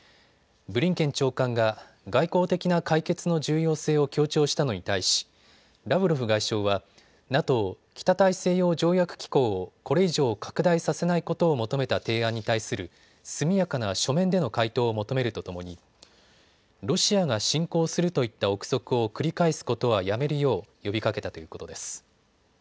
ブリンケン長官が外交的な解決の重要性を強調したのに対しラブロフ外相はＮＡＴＯ・北大西洋条約機構をこれ以上、拡大させないことを求めた提案に対する速やかな書面での回答を求めるとともにロシアが侵攻するといった臆測を繰り返すことはやめるよう呼びかけたということです。